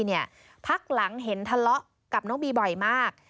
พักหลังเห็นทะเลาะกับน้องบีบ่อยมาก